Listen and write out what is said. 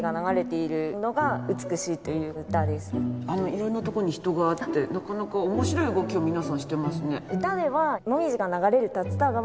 色んなとこに人がいてなかなか面白い動きを皆さんしてますね。